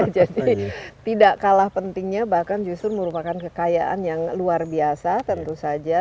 jadi tidak kalah pentingnya bahkan justru merupakan kekayaan yang luar biasa tentu saja